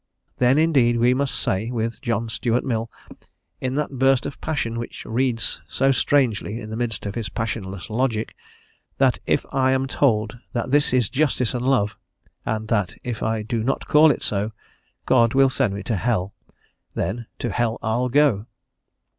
Then indeed we must say, with John Stuart Mill, in that burst of passion which reads so strangely in the midst of his passionless logic, that if I am told that this is justice and love, and that if I do not call it so, God will send me to hell, then "to hell I'll go."